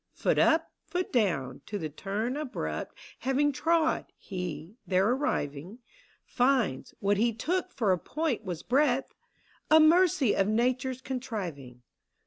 Foot up, foot down, to the turn abrupt Having trod, he, there arriving, Finds — what he took for a point was breadth, A mercy of Nature's contriving.